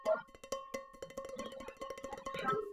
圆形狼牙蟹为梭子蟹科狼牙蟹属的动物。